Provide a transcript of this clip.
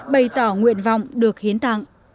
bày tỏ nguyện vọng được hiến tạng